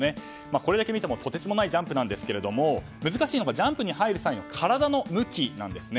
これだけ見ても、とてつもないジャンプなんですけど難しいのがジャンプに入る際の体の向きなんです。